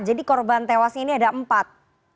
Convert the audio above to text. jadi korban tewasnya ini ada empat